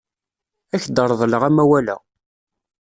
Ad ak-reḍleɣ amawal-a.